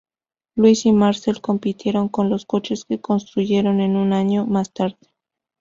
Louis y Marcel compitieron con los coches que construyeron un año más tarde.